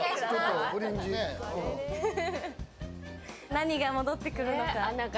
何が戻ってくるのか。